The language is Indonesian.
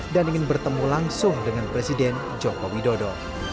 dan ingin bertemu langsung dengan presiden jokowi dodo